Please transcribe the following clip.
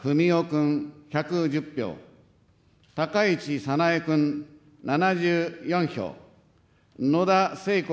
君１１０票、高市早苗君７４票、野田聖子